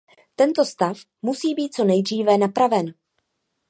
Tento stav musí být co nejdříve napraven.